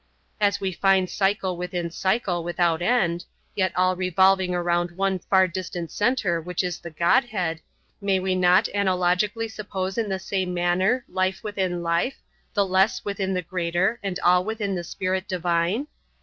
As we find cycle within cycle without end,—yet all revolving around one far distant centre which is the God head, may we not analogically suppose in the same manner, life within life, the less within the greater, and all within the Spirit Divine?